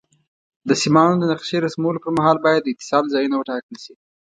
د سیمانو د نقشې رسمولو پر مهال باید د اتصال ځایونه وټاکل شي.